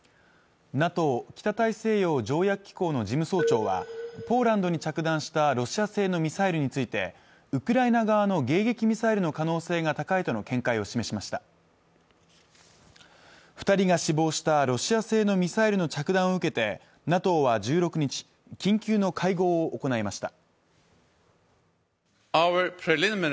ＮＡＴＯ北大西洋条約機構の事務総長はポーランドに着弾したロシア製のミサイルについてウクライナ側の迎撃ミサイルの可能性が高いとの見解を示しました二人が死亡したロシア製のミサイルの着弾を受けてＮＡＴＯは１６日緊急の会合を行いました